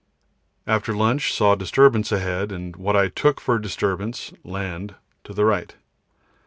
After lunch saw disturbance ahead, and what I took for disturbance (land) to the right.